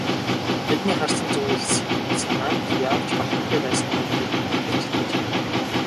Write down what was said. Бидний харсан зүйл санаанд яавч багтамгүй байсан тул бид нүдэндээ ч итгэж ядна.